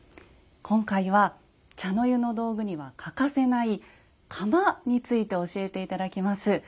今回は茶の湯の道具には欠かせない釜について教えて頂きます。